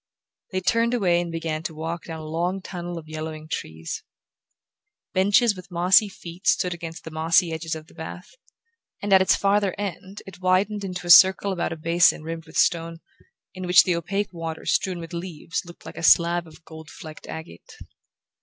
They turned away and began to walk down a long tunnel of yellowing trees. Benches with mossy feet stood against the mossy edges of the path, and at its farther end it widened into a circle about a basin rimmed with stone, in which the opaque water strewn with leaves looked like a slab of gold flecked agate.